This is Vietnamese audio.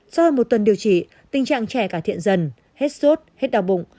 sau hơn một tuần điều trị tình trạng trẻ cải thiện dần hết sốt hết đau bụng